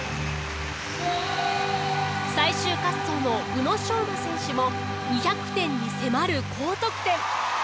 最終滑走の宇野昌磨選手も２００点に迫る高得点！